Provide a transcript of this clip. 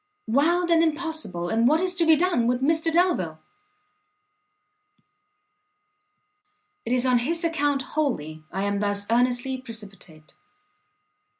"Wild and impossible! and what is to be done with Mr Delvile?" "It is on his account wholly I am thus earnestly precipitate.